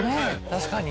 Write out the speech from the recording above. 確かに。